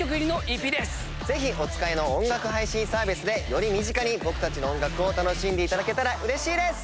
ぜひお使いの音楽配信サービスでより身近に僕たちの音楽を楽しんでいただけたらうれしいです。